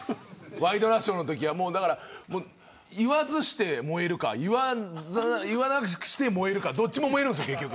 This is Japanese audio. ワイドナショーのときは言わずして燃えるか言わなくして燃えるかどっちも燃えるんですよ、結局。